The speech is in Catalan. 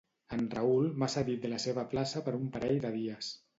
En Raül m'ha cedit la seva plaça per un parell de dies